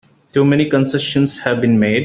Too many concessions have been made!